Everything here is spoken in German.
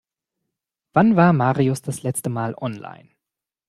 Wann war Marius das letzte Mal online?